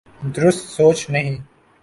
درست سوچ نہیں۔